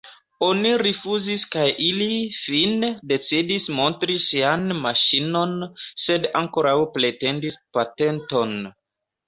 Oni rifuzis kaj ili, fine, decidis montri sian maŝinon, sed ankoraŭ pretendis patenton.